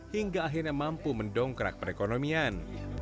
hingga akhirnya mampu mendongkrak perekonomian